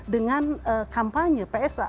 dengan kampanye psa